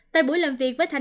tại buổi làm việc với thái lan